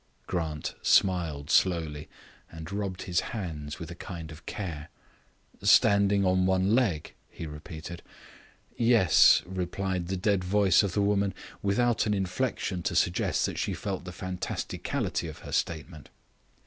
Grant smiled slowly and rubbed his hands with a kind of care. "Standing on one leg?" I repeated. "Yes," replied the dead voice of the woman without an inflection to suggest that she felt the fantasticality of her statement.